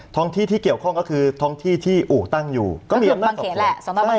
ท้องที่ที่เกี่ยวข้องก็คือท้องที่ที่อู๋ตั้งอยู่ก็คือบังเขนแหละสอนอบังเขน